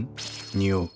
匂う。